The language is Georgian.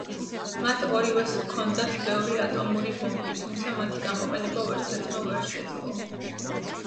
მათ ორივეს ჰქონდათ ბევრი ატომური ბომბი, თუმცა მათი გამოყენება ვერცერთმა ვერ შეძლო.